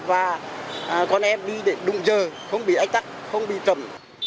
và con em đi đến đúng giờ không bị ách tắc không bị trầm